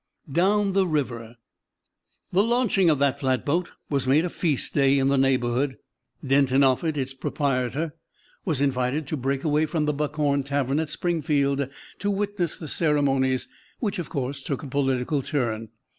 "DOWN THE RIVER" The launching of that flatboat was made a feast day in the neighborhood. Denton Offutt, its proprietor, was invited to break away from the "Buckhorn" tavern at Springfield to witness the ceremonies, which, of course, took a political turn.